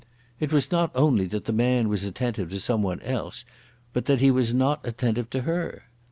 It was not only that the man was attentive to some one else, but that he was not attentive to her.